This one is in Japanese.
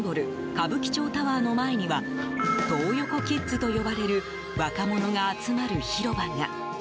歌舞伎町タワーの前にはトー横キッズと呼ばれる若者が集まる広場が。